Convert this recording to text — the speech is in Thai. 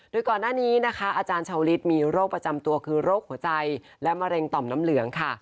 โดยก่อนหน้านี้นะคะอาจารย์ชาวลิศมีโรคประจำตัวคือโรคหัวใจและมะเร็งต่อมน้ำเหลืองค่ะ